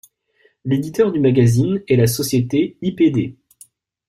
L'éditeur du magazine est la société Ipd.